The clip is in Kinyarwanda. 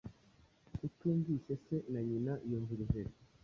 utumviye se na nyina yumvura ijeri,